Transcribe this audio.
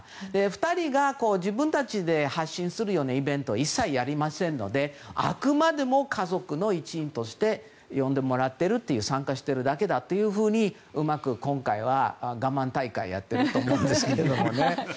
２人が自分たちで発信するようなイベントは一切やりませんのであくまでも家族の一員として呼んでもらっている参加してるだけだというふうにうまく今回は、我慢大会をやっていると思うんですけどね。